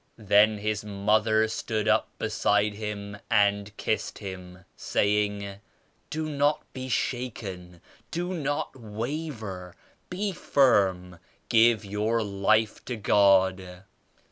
Then his mother stood up beside him and kissed him, saying *Do not be shaken! Do not waver! Be firm! Give your life to God!